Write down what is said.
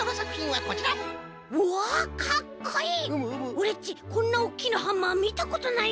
オレっちこんなおっきなハンマーみたことないよ。